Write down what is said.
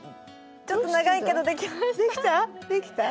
ちょっと長いけどできました。